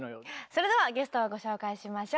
それではゲストをご紹介しましょう。